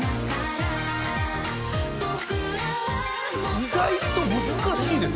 意外と難しいです